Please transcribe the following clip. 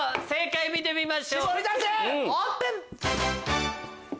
見てみましょうオープン！